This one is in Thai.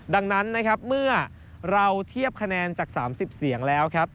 ดังนั้นเมื่อเราเทียบคะแนนจาก๓๐เสียงแล้ว